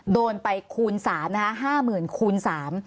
โดนไปคูณสามนะคะห้าหมื่นคูณสาม